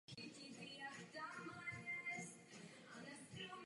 Pomocníků byl již od středověku důležitým poutním místem tohoto společenství světců.